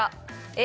Ａ